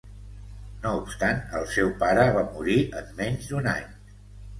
No obstant, el seu pare va morir en menys d'un any.